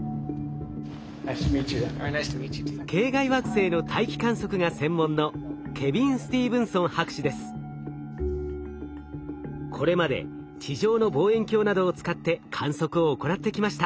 系外惑星の大気観測が専門のこれまで地上の望遠鏡などを使って観測を行ってきました。